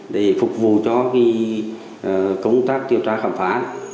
để phục vụ cho công tác điều tra khám phá